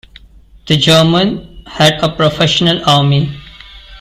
The German had a professional army...